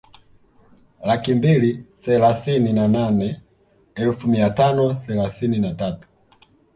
Laki mbili thelathini na nane elfu mia tano thelathini na tatu